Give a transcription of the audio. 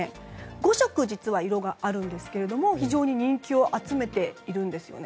５色あるんですが非常に人気を集めているんですね。